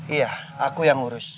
iya aku yang urus